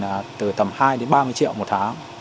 là từ tầm hai đến ba mươi triệu một tháng